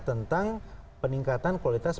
tentang peningkatan kualitas